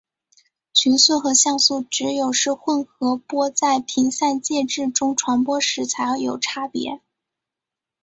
群速和相速只有是混合波在频散介质中传播时才有差别。